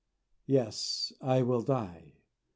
Yes, I will die.